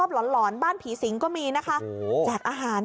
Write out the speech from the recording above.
สวนสนุกสวนน้ำสวนสุขภาพ